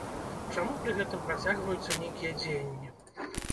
Чаму пры гэтым працягваюцца нейкія дзеянні?